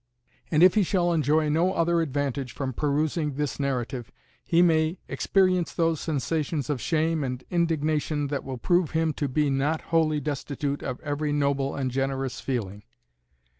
And if he shall enjoy no other advantage from perusing this narrative, he may experience those sensations of shame and indignation, that will prove him to be not wholly destitute of every noble and generous feeling.